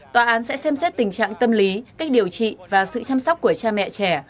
tòa án sẽ xem xét tình trạng tâm lý cách điều trị và sự chăm sóc của cha mẹ trẻ